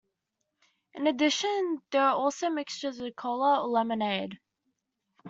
In addition, there are also mixtures with cola or Lemonade.